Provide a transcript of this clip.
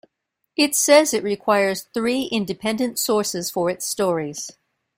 It says it requires three independent sources for its stories.